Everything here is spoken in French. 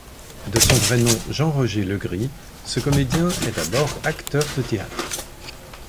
De son vrai nom Jean-Roger Legris, ce comédien est d'abord acteur de théâtre.